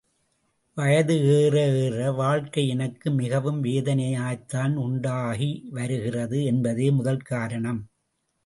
வயத ஏற ஏற வாழ்க்கை எனக்கு மிகவும் வேதனையைத்தான் உண்டாக்கி வருகிறது என்பதே முதல் காரணம்.